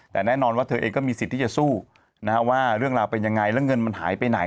แต่แน่นอนว่าเธอเองก็มีสิทธิ์ที่จะสู้ว่าเรื่องราวเป็นยังไงแล้วเงินมันหายไปไหน